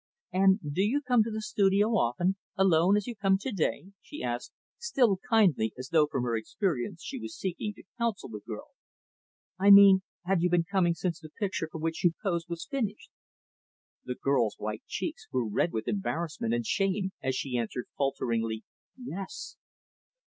"And do you come to the studio often alone as you came to day?" she asked, still kindly, as though from her experience she was seeking to counsel the girl. "I mean have you been coming since the picture for which you posed was finished?" The girl's white cheeks grew red with embarrassment and shame as she answered, falteringly, "Yes."